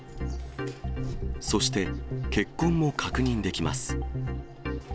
そして血痕も確認できます。